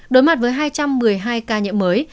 đối mặt với hai trăm một mươi hai ca nhiễm mới